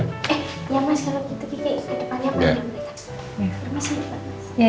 eh ya mas kalo gitu di depan ya